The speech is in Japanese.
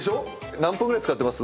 何分ぐらい使ってます？